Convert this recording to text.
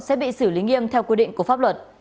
sẽ bị xử lý nghiêm theo quy định của pháp luật